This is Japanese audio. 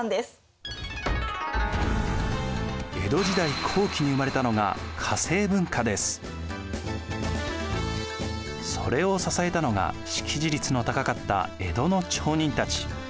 江戸時代後期に生まれたのがそれを支えたのが識字率の高かった江戸の町人たち。